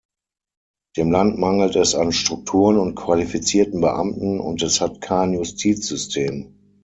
Dem Land mangelt es an Strukturen und qualifizierten Beamten, und es hat kein Justizsystem.